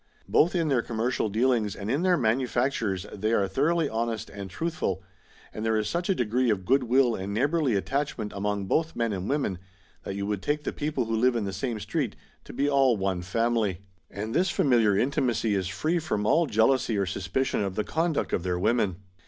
Both in their commercial dealings and in their manufactures they are thoroughly honest and truthful, and there is such a degree of good will and neighbourly at tachment among both men and women that you would take the people who live in the same street to be all one family. And this familiar intimacy is free from all jealousy or suspicion of the conduct of their women.